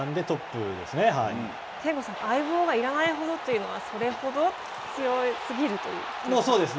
憲剛さん相棒が要らないほどというのはそれほど強すぎるということですか。